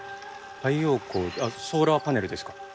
太陽光ソーラーパネルですか？